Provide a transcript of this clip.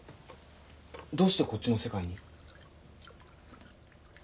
どうしてこっちの世界に？